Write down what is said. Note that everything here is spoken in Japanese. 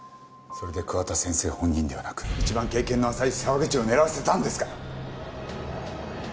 それで桑田先生本人ではなく一番経験の浅い沢口を狙わせたんですか！？